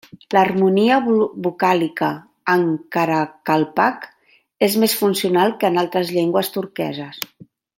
L'harmonia vocàlica en Karakalpak és més funcional que en altres llengües turqueses.